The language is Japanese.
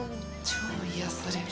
超癒やされる。